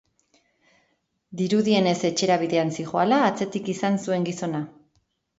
Dirudienez, etxera bidean zihoala atzetik izan zuen gizona.